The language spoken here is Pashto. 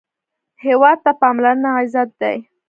هېواد ته پاملرنه عزت دی